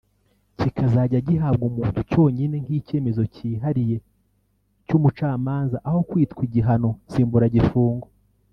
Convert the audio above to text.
kikazajya gihabwa umuntu cyonyine nk’icyemezo cyihariye cy’umucamanza aho kwitwa igihano nsimburagifungo